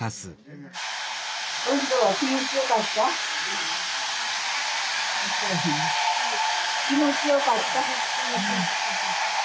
気持ちよかった？